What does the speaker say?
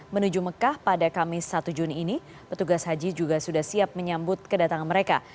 menuju mekah pada kamis satu juni ini petugas haji juga sudah siap menyambut kedatangan mereka